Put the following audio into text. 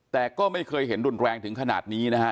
แต่ก็ไม่เคยเห็นรุนแรงถึงขนาดนี้นะฮะ